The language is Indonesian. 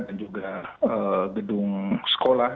dan juga gedung sekolah